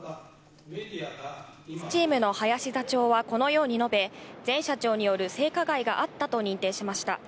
チームの林座長はこのように述べ、前社長による性加害があったと認定しました。